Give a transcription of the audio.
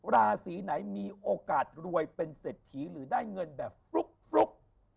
ราศีไหนมีโอกาสรวยเป็นเศรษฐีหรือได้เงินแบบฟลุก